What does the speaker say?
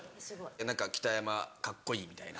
何か「北山カッコいい」みたいな。